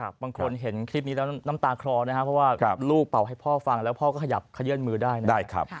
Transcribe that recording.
บางคนเห็นคลิปนี้แล้วน้ำตาคลอนะครับเพราะว่าลูกเป่าให้พ่อฟังแล้วพ่อก็ขยับขยื่นมือได้นะครับ